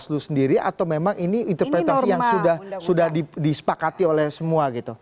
bawaslu sendiri atau memang ini interpretasi yang sudah disepakati oleh semua gitu